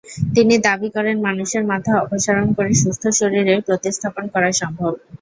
তিনি দাবি করেন, মানুষের মাথা অপসারণ করে সুস্থ শরীরে প্রতিস্থাপন করা সম্ভব।